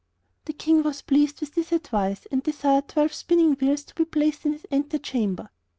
The King was pleased with the advice, and desired twelve spinning wheels to be placed in his ante chamber.